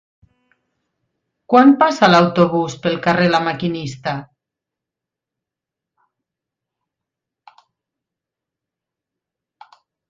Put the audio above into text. Quan passa l'autobús pel carrer La Maquinista?